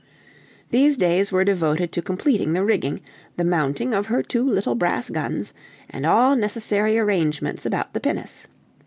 These days were devoted to completing the rigging, the mounting of her two little brass guns, and all necessary arrangements about the pinnace.